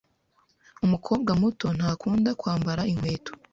Umukobwa muto ntakunda kwambara inkweto.